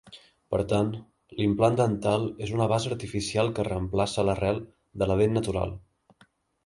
Per tant, l'implant dental és una base artificial que reemplaça l'arrel de la dent natural.